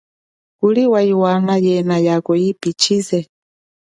Kuli wa iwana yena yako yipi chize.